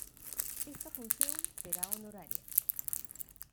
Esta función será honoraria.